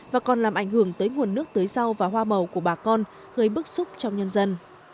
và còn làm ảnh hưởng tới nguồn nước tưới rau và hoa màu của bà con gây bức xúc trong nhân dân